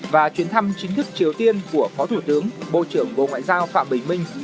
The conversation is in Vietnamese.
và chuyến thăm chính thức triều tiên của phó thủ tướng bộ trưởng bộ ngoại giao phạm bình minh